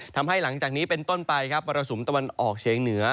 หลังจากนี้เป็นต้นไปครับมรสุมตะวันออกเฉียงเหนือ